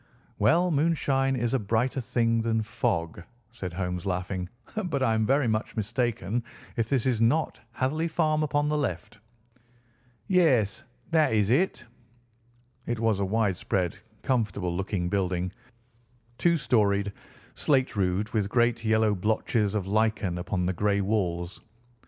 "Well, moonshine is a brighter thing than fog," said Holmes, laughing. "But I am very much mistaken if this is not Hatherley Farm upon the left." "Yes, that is it." It was a widespread, comfortable looking building, two storied, slate roofed, with great yellow blotches of lichen upon the grey walls.